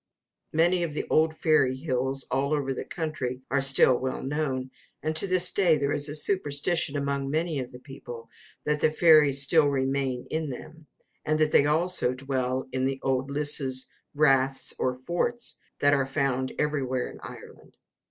Many of the old fairy hills all over the country are still well known; and to this day there is a superstition among many of the people that the fairies still remain in them, and that they also dwell in the old lisses, raths, or forts that are found everywhere in Ireland.